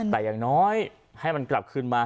แต่น้อยให้มันกลับคืนมา